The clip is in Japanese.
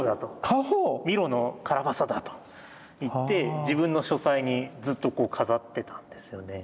家宝⁉「ミロのカラバサだ」と言って自分の書斎にずっと飾ってたんですよね。